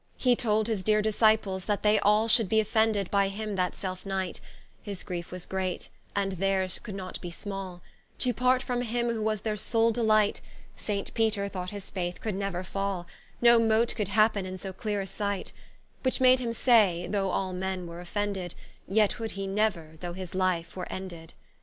He told his deere Disciples, that they all Should be offended by him that selfe night; His Griefe was great, and theirs could not be small, To part from him who was their sole Delight; Saint Peter thought his Faith could neuer fall, No mote could happen in so clear a sight: Which made him say, Though all men were offended, Yet would he never, though his life were ended.